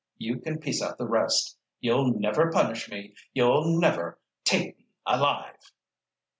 You can piece out the rest. You'll never punish me! You'll never—take me alive!"